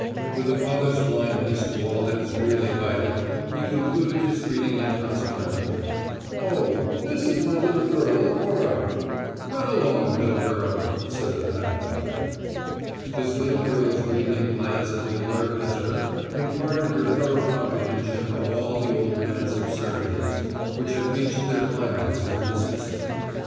With a father's blindness to all that is really vital, he concluded his greeting inconsequently: "Oh, this is my little girl Cora." "Run along, little girl," said the fat father. His little girl's radiant glance at the alert visitor imparted her thorough comprehension of all the old man's absurdities, which had reached their climax in her dismissal.